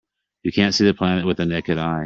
You can't see the planet with the naked eye.